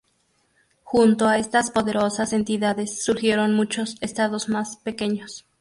Junto a estas poderosas entidades, surgieron muchos Estados más pequeños.